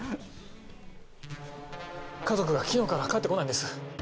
家族が昨日から帰ってこないんです。